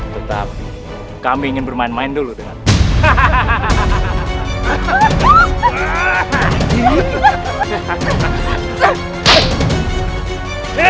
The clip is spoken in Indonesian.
tetapi kami ingin bermain main dulu denganmu